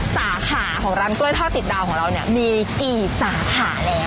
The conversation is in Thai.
สาขาของร้านกล้วยทอดติดดาวของเราเนี่ยมีกี่สาขาแล้ว